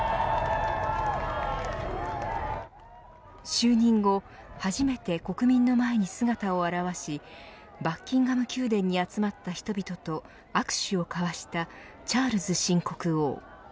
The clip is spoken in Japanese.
就任後初めて国民の前に姿を現しバッキンガム宮殿に集まった人々と握手を交わしたチャールズ新国王。